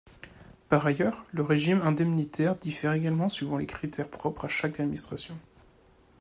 Par ailleurs, le régime indemnitaire diffère également suivant les critères propres à chaque administration.